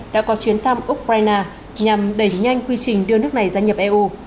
đã có chuyến thăm ukraine nhằm đẩy nhanh quy trình đưa nước này gia nhập eu